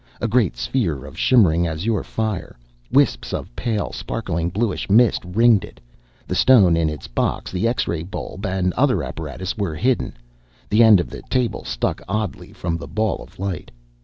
A great sphere of shimmering azure fire! Wisps of pale, sparkling bluish mist ringed it. The stone in its box, the X ray bulb and other apparatus were hidden. The end of the table stuck oddly from the ball of light.